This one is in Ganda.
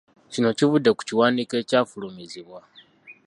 Kino kivudde ku kiwandiiko ekyafulumizibwa.